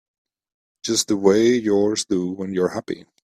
Just the way yours do when you're happy.